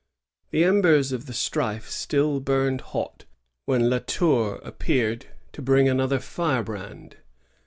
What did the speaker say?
The embers of the strife still burned hot when La Tour appeared to bring another firebrand.